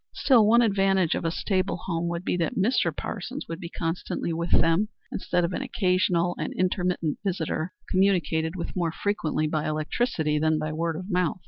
Still one advantage of a stable home would be that Mr. Parsons could be constantly with them, instead of an occasional and intermittent visitor communicated with more frequently by electricity than by word of mouth.